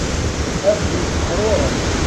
A bu ifexruren!